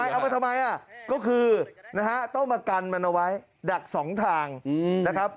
เอามาทำไมก็คือนะฮะต้องมากันมันเอาไว้ดักสองทางนะครับ